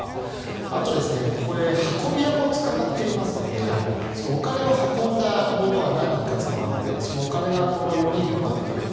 あと、これ運び屋も使っていますのでお金を運んだものは何人か捕まっていてそのお金が４人に渡っている。